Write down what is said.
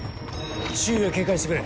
周囲を警戒してくれ。